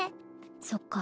そっか